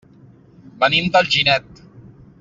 Venim d'Alginet.